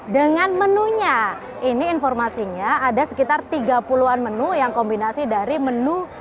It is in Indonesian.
dengan menunya ini informasinya ada sekitar tiga puluh an menu yang kombinasi dari menu